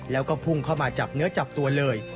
แล้วก็พุ่งเข้ามาจับเนื้อจับตัวเลย